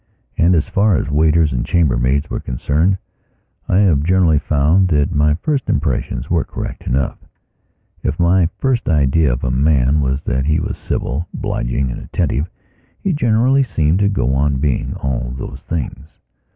And, as far as waiters and chambermaids were concerned, I have generally found that my first impressions were correct enough. If my first idea of a man was that he was civil, obliging, and attentive, he generally seemed to go on being all those things.